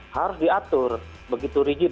harus diatur begitu rigid